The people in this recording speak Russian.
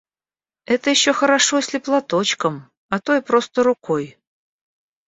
Это еще хорошо, если платочком, а то и просто рукой.